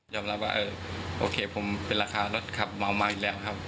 รับว่าโอเคผมเป็นราคารถขับเมามากอยู่แล้วครับ